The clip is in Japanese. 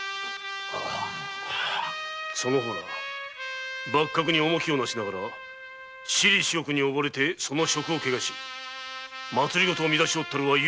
その方ら幕閣に重きをなしながら私利私欲に走りその職を汚し政を乱しおったは許し難し